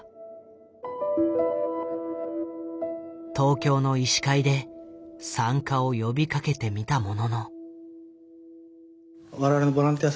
東京の医師会で参加を呼びかけてみたものの。